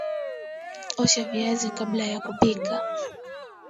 osha viazi kabla ya kupika